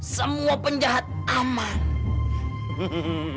semua penjahat aman